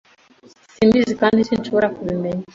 simbizi kandi sinshobora kubimenya